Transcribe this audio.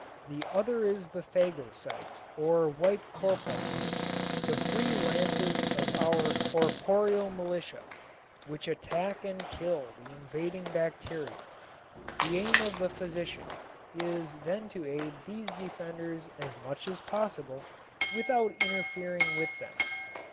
The other is the phagocytes or white corpuscles, the free lances of our corporeal militia, which attack and kill the invading bacteria. The aim of the physician then is to aid these defenders as much as possible without interfering with them.